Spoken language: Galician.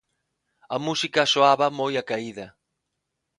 A música soaba moi acaída.